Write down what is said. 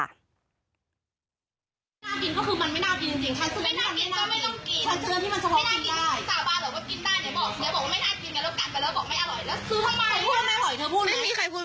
น่ากินก็คือมันไม่น่ากินจริงค่ะ